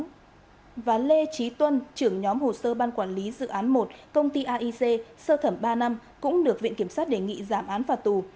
bị cáo văn lê trí tuân trưởng nhóm hồ sơ ban quản lý dự án một công ty aic sơ thẩm ba năm cũng được viện kiểm sát đề nghị giảm án phạt tù